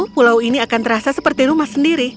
pulau ini akan terasa seperti rumah sendiri